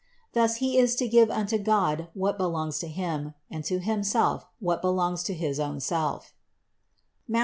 Thus he is to give unto God what belongs to Him, and to himself what belongs to his own self (Matth.